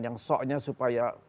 yang soknya supaya